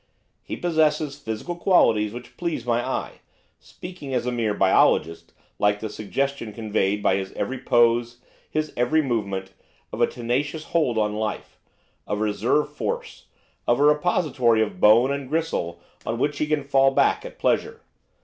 He possesses physical qualities which please my eye speaking as a mere biologist. I like the suggestion conveyed by his every pose, his every movement, of a tenacious hold on life, of reserve force, of a repository of bone and gristle on which he can fall back at pleasure.